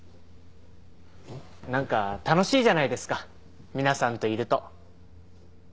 何か楽しいじゃないですか皆さんといると。